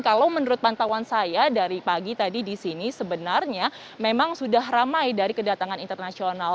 kalau menurut pantauan saya dari pagi tadi di sini sebenarnya memang sudah ramai dari kedatangan internasional